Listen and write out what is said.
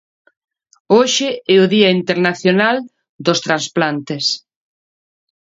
Hoxe é o día Internacional dos Transplantes.